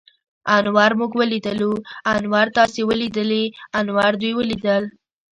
انور موږ وليدلو. انور تاسې وليدليٙ؟ انور دوی وليدل.